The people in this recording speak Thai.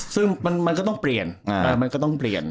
ซึ่งมันก็ต้องเปลี่ยนมันก็ต้องเปลี่ยน